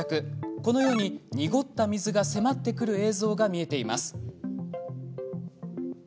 このように濁った水が迫ってくる映像が見えています。